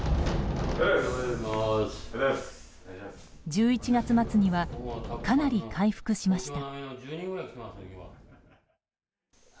１１月末にはかなり回復しました。